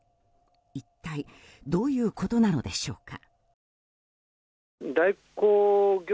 一体どういうことなのでしょうか。